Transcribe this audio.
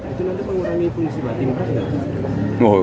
itu nanti pengurangi fungsi batin